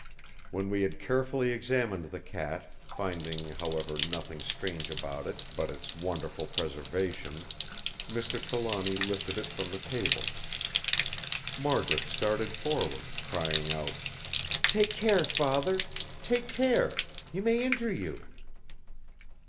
When we had carefully examined the cat, finding, however, nothing strange about it but its wonderful preservation, Mr. Trelawny lifted it from the table. Margaret started forward, crying out: "Take care, Father! Take care! He may injure you!"